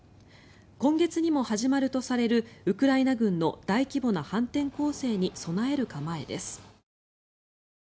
今月にも始まるとされるウクライナ軍の大規模な反転攻勢に備える構えです。